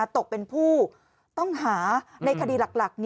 ตกเป็นผู้ต้องหาในคดีหลัก